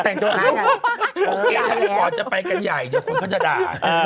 โอเคถ้าลูกบ่อนจะไปกันใหญ่เดี๋ยวคนเขาจะด่า